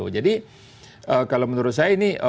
jadi kalau menurut saya ini